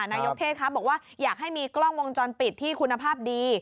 นายกเทศครับบอกว่าอยากให้มีกล้องวงจรปิดที่คุณภาพดี